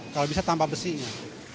kalau bisa tambah besinya